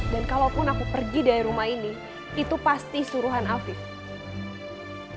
dan kalaupun aku pergi dari rumah ini itu pasti suruhan alvif